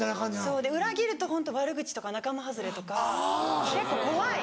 そうで裏切るとホント悪口とか仲間外れとか結構怖い。